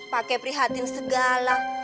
pakai prihatin segala